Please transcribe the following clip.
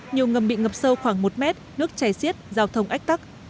nhiều ngầm bị ngập sâu khoảng một mét nước chảy xiết giao thông ách tắc